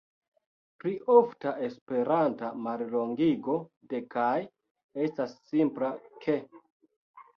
Pli ofta esperanta mallongigo de "kaj" estas simpla "k".